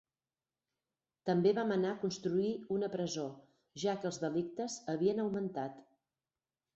També va manar construir una presó, ja que els delictes havien augmentat.